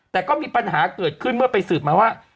แต่ก็มีปัญหาเกิดขึ้นเมื่อไปสืบมาว่า